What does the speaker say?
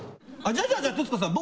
じゃあじゃあ徹子さん